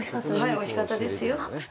おいしかったですよ。